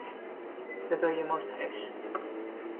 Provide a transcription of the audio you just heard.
صدای مرتعش